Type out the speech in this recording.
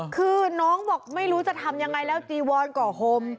คือน้องบอกไม่รู้จะทำยังไงแล้วจีวอนก่อห่ม